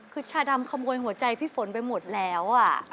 คือชาดำขโมยหัวใจพี่ฝนไปหมดแล้ว